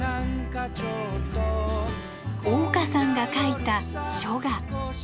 香さんが描いた書画。